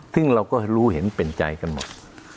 ซึ่งเราก็รู้เห็นเป็นใจกันหมด